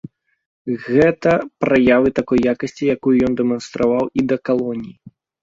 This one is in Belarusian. Гэта праявы такой якасці, якую ён дэманстраваў і да калоніі.